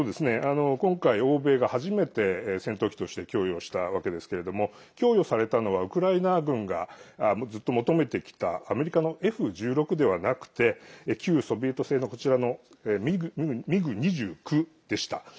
今回、欧米が初めて戦闘機として供与したわけですけども供与されたのはウクライナ軍がずっと求めてきたアメリカのＦ１６ではなくて旧ソビエト製のミグ２９でした。